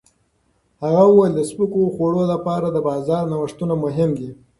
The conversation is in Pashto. هغه وویل د سپکو خوړو لپاره د بازار نوښتونه مهم دي.